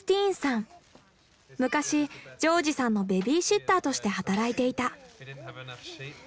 昔ジョージさんのベビーシッターとして働いていた。